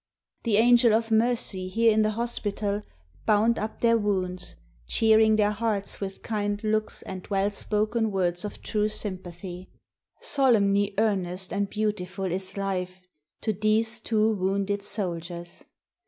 The Angel of Mercy here in the hospital bound up their wounds, cheering their hearts with kind looks and well spoken words of true sympathy... Solemnly earnest and beautiful is Life to these two wounded soldiers.